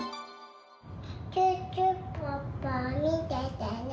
シュッシュポッポみててね！